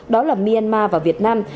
đó là myanmar và việt nam